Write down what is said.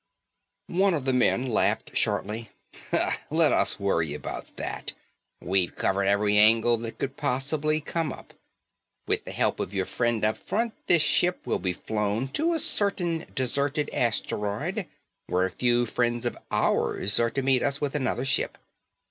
One of the men laughed shortly. "Let us worry about that. We've covered every angle that could possibly come up. With the help of your friend up front, this ship will be flown to a certain deserted asteroid where a few friends of ours are to meet us with another ship.